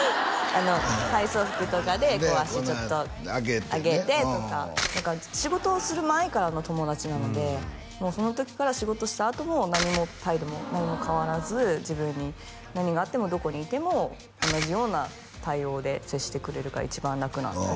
体操服とかで足ちょっと上げてとか仕事をする前からの友達なのでその時から仕事したあとも態度も何も変わらず自分に何があってもどこにいても同じような対応で接してくれるから一番ラクな友達で